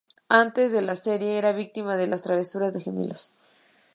Antes en la serie, era una víctima de las travesuras de gemelos.